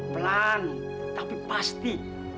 pelan tapi pasti